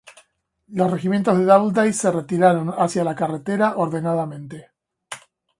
Los regimientos de Doubleday se retiraron hacia la carretera ordenadamente.